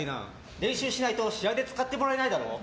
練習しないと試合で使ってもらえないだろ。